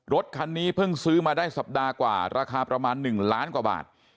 รถคันนี้เพิ่งซื้อมาได้สัปดาห์กว่าราคาประมาณ๑ล้านกว่าบาท